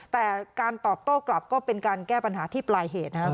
แต่การตอบโต้กลับก็เป็นการแก้ปัญหาที่ปลายเหตุนะครับ